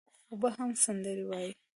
اوبه هم سندري وايي.